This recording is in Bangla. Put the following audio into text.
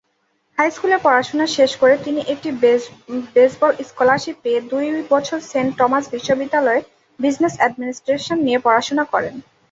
হাইস্কুলের পড়াশোনা শেষ করে তিনি একটি বেসবল স্কলারশিপ পেয়ে দুই বছর সেন্ট টমাস বিশ্ববিদ্যালয়ে বিজনেস অ্যাডমিনিস্ট্রেশন নিয়ে পড়াশোনা করেন।